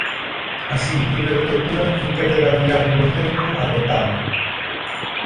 Así, libre da tortura, fun quen de vadiar polo tempo, a vontade.